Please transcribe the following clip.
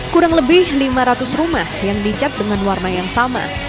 kurang lebih lima ratus rumah yang dicat dengan warna yang sama